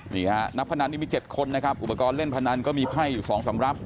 นี่ฮะนักพนันนี่มี๗คนนะครับอุปกรณ์เล่นพนันก็มีไพ่อยู่๒สำหรับ